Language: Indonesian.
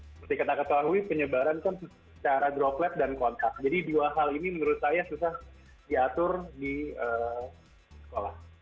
seperti kita ketahui penyebaran kan secara droplet dan kontak jadi dua hal ini menurut saya susah diatur di sekolah